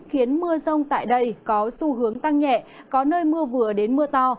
khiến mưa rông tại đây có xu hướng tăng nhẹ có nơi mưa vừa đến mưa to